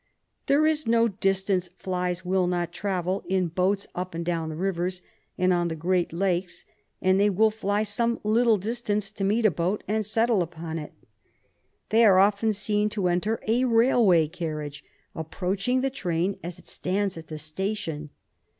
There is no distance flies will not travel in boats up and down the rivers and on the great lakes, and they will fly some little distance to meet a boat and settle upon it. They are often seen to enter a railway carriage, approaching the train as it stands at the station.